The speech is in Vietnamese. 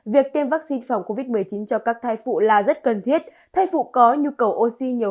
việc tiêm vaccine phòng covid một mươi chín cho các thai phụ là rất cần thiết thay phụ có nhu cầu oxy nhiều